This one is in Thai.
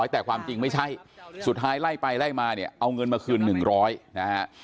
แต่ความจริงไม่ใช่สุดท้ายไล่ไปไล่มาเนี่ยเอาเงินมาคืน๑๐๐นะฮะ